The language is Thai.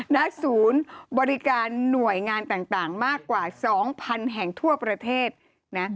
ณศูนย์บริการหน่วยงานต่างมากกว่า๒๐๐๐แห่งทั่วประเทศนะ